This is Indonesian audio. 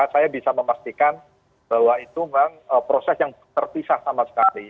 saya bisa memastikan bahwa itu memang proses yang terpisah sama sekali